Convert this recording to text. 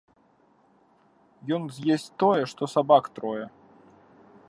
Ён з'есць тое, што сабак трое.